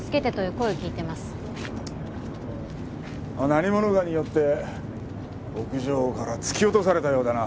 何者かによって屋上から突き落とされたようだな。